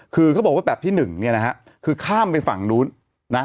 คือเขาบอกว่าแบบที่หนึ่งคือข้ามไปฝั่งนู้น